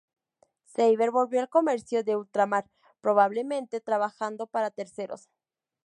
Seaver volvió al comercio de ultramar, probablemente trabajando para terceros.